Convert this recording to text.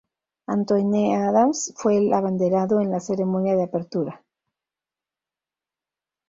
Antoine Adams fue el abanderado en la ceremonia de apertura.